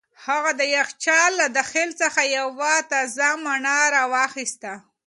هغه د یخچال له داخل څخه یوه تازه مڼه را واخیسته.